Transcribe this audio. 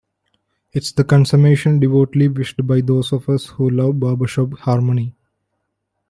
It's the consummation devoutly wished by those of us who love Barbershop harmony.